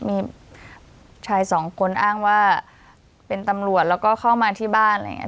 มีชายสองคนอ้างว่าเป็นตำรวจแล้วก็เข้ามาที่บ้านอะไรอย่างนี้